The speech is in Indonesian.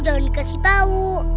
jangan dikasih tahu